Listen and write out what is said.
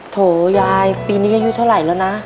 โถยายปีนี้อายุเท่าไหร่แล้วนะ